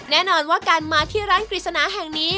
แน่นอนว่าการมาที่ร้านกฤษณาแห่งนี้